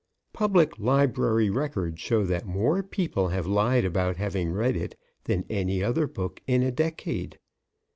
Public library records show that more people have lied about having read it than any other book in a decade.